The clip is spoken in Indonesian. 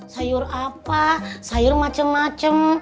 sayur apa sayur macem macem